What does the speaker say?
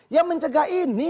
ya mencegah ini